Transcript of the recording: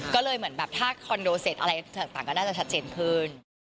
ก็เลยเหมือนแบบถ้าคอนโดเสร็จอะไรต่างก็น่าจะชัดเจนขึ้น